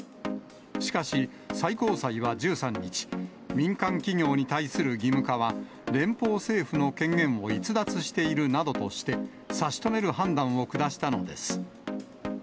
しかし、最高裁は１３日、民間企業に対する義務化は、連邦政府の権限を逸脱しているなどとして、差し止める判断を下したのです。